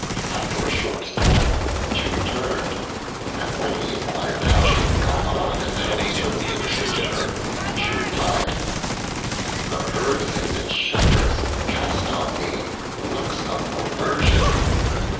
After a short time she returned, and when he inquired how she had got on and how the servants had treated her, she replied, "The herdsmen and shepherds cast on me looks of aversion."